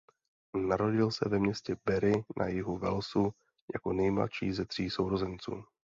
Narodil se ve městě Barry na jihu Walesu jako nejmladší ze tří sourozenců.